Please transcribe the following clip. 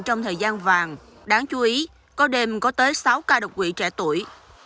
trong thời gian vàng đáng chú ý có đêm có tới sáu ca đột quỵ trẻ tuổi